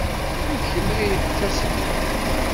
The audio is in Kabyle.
D kemm ay d taselmadt.